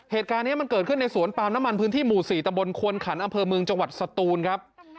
เหตุการณ์นี้มันเกิดขึ้นในสวนปาล์มน้ำมันพื้นที่หมู่๔ตะบนควนขันอำเภอเมืองจังหวัดสตูนครับ